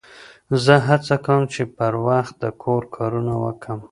زه هڅه کوم، چي پر وخت د کور کارونه وکم.